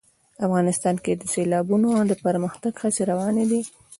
افغانستان کې د سیلابونه د پرمختګ هڅې روانې دي.